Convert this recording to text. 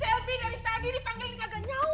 selby dari tadi dipanggil ini kagak nyaut